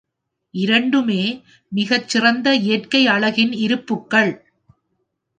இரண்டுமே மிகச்சிறந்த இயற்கை அழகின் இருப்புக்கள்.